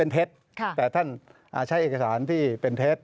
แต่ท่านใช้เอกสารที่เป็นเท็จ